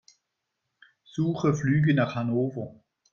Suche Flüge nach Hannover.